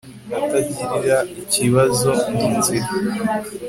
atagirira ikibazo munzira